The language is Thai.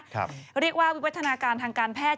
เรียกว่าวิวัฒนาการทางการแพทย์